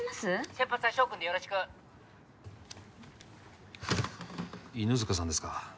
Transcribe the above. ☎先発は翔君でよろしくはあ犬塚さんですか？